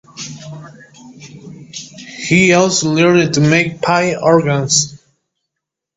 He also learned to make pipe organs.